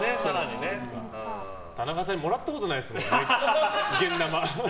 田中さんにもらったことないですよ、現ナマ。